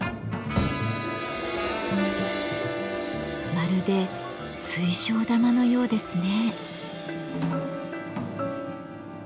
まるで水晶玉のようですね。